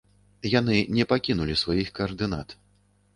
Яны не пакінулі сваіх каардынат.